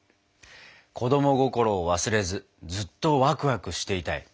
子供心を忘れずずっとワクワクしていたい。